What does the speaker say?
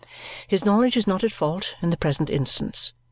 His knowledge is not at fault in the present instance.